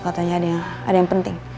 katanya ada yang penting